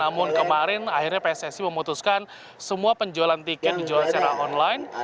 namun kemarin akhirnya pssi memutuskan semua penjualan tiket dijual secara online